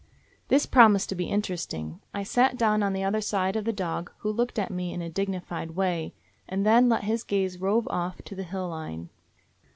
This promised to be interesting. I sat down on the other side of the dog, who looked at me in a dignified way, and then let his gaze rove off to the hill line.